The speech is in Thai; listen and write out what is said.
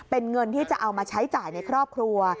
เป็นเงินที่จะเอามาใช้จ่ายในครอบครัว